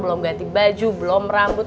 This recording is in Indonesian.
lo mau ganti baju belum rambut